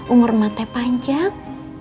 umur matanya panjang